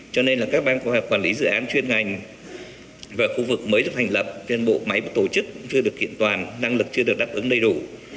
cho nên là các ban quản lý dự án chuyên ngành và khu vực mới được hành lập trên bộ máy tổ chức chưa được kiện toàn năng lực chưa được đáp ứng đầy đủ